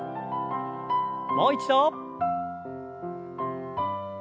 もう一度。